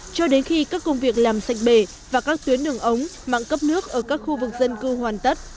cho đến khi các công việc làm sạch bể và các tuyến đường ống mạng cấp nước ở các khu vực dân cư hoàn tất